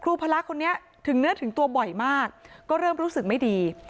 พระรักษ์คนนี้ถึงเนื้อถึงตัวบ่อยมากก็เริ่มรู้สึกไม่ดี